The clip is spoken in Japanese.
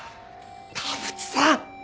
田淵さん！